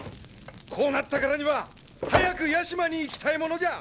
こうなったからには早く屋島に行きたいものじゃ。